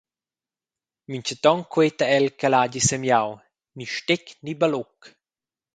Mintgaton queta el ch’el hagi semiau: ni stec ni balluc!